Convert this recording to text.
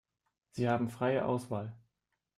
Sie haben freie Auswahl.